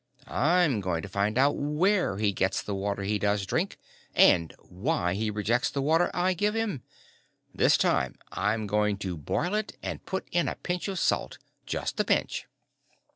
"I'm going to find out where he gets the water he does drink and why he rejects the water I give him. This time I'm going to boil it and put in a pinch of salt. Just a pinch."